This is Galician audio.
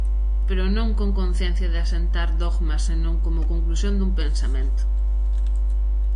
Pero non con conciencia de asentar dogmas senón como conclusión dun pensamento.